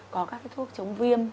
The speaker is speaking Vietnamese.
có các cái thuốc chống viêm